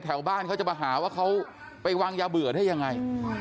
แถวบ้านเขาจะมาหาว่าเขาไปวางยาเบื่อได้ยังไง